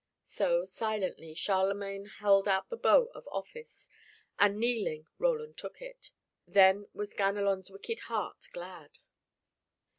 So, silently, Charlemagne held out the bow of office, and kneeling, Roland took it. Then was Ganelon's wicked heart glad.